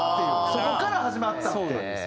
そこから始まったって。